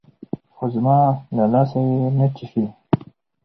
خو زما له لاسه يې نه چښي.